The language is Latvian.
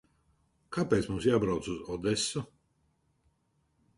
Kāpēc mums jābrauc uz Odesu?